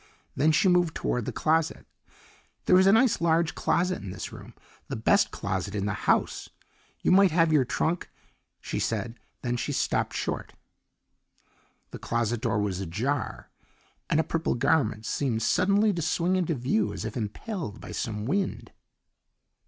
Then she moved toward the closet. "There is a nice large closet in this room the best closet in the house. You might have your trunk " she said, then she stopped short. The closet door was ajar, and a purple garment seemed suddenly to swing into view as if impelled by some wind.